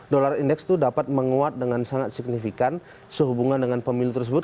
dolar indeks itu dapat menguat dengan sangat signifikan sehubungan dengan pemilu tersebut